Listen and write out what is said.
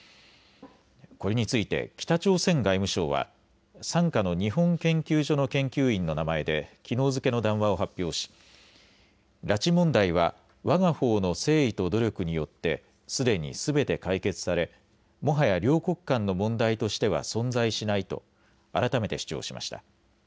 これについて北朝鮮外務省は傘下の日本研究所の研究員の名前できのう付けの談話を発表し拉致問題はわがほうの誠意と努力によってすでにすべて解決され、もはや両国間の問題としては存在しないと改めて主張しました。